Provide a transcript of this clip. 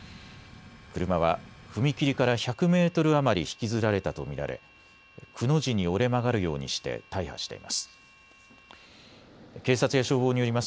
車は踏切から１００メートル余り引きずられたと見られくの字に折れ曲がるようにして大破しています。